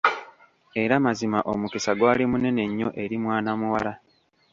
Era mazima omukisa gwali munene nnyo eri mwana muwala!